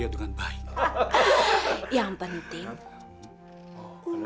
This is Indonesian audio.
saya tak tahu kita pergi ke mana lama